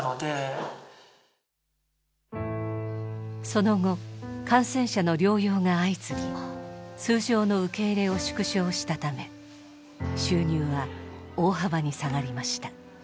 その後感染者の療養が相次ぎ通常の受け入れを縮小したため収入は大幅に下がりました。